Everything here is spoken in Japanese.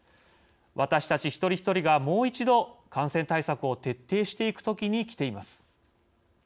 私たち一人一人がもう一度感染対策を徹底していく時に来ています。